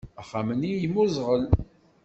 Axxam-nni yemmuẓɣel.